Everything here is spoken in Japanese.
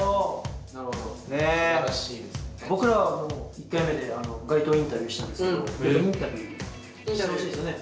僕らはもう１回目で街頭インタビューしたんですけどインタビューしてほしいですね。